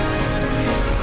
apabila jangan di setengah blok